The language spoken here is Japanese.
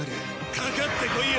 かかってこいよ！